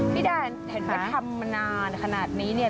พี่แดนเห็นว่าทำมานานขนาดนี้เนี่ย